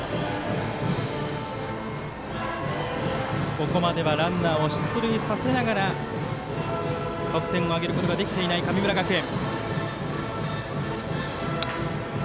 ここまではランナーを出塁させながら得点を挙げることができていない神村学園。